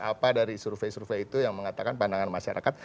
apa dari survei survei itu yang mengatakan pandangan masyarakat